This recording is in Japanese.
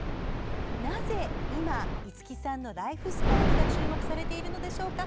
なぜ今五木さんのライフスタイルが注目されているのでしょうか？